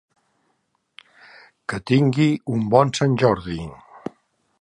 Que tingui un bon Sant Jordi.